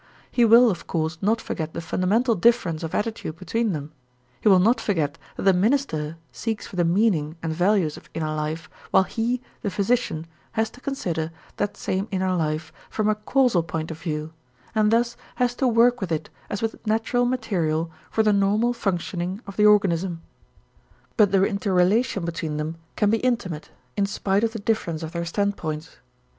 He will, of course, not forget the fundamental difference of attitude between them, he will not forget that the minister seeks for the meaning and values of inner life while he, the physician, has to consider that same inner life from a causal point of view and thus has to work with it as with natural material for the normal functioning of the organism. But the interrelation between them can be intimate in spite of the difference of their standpoints.